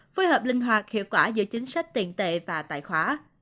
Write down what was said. phối hợp linh hoạt hiệu quả giữa chính sách tiền tệ và tài khoá